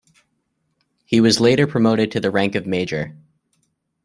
He was later promoted to the rank of Major.